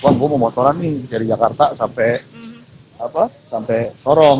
buang gue mau motoran nih dari jakarta sampe sorong